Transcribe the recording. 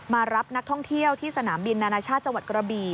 มารับนักท่องเที่ยวที่สนามบินนานาชาติจังหวัดกระบี่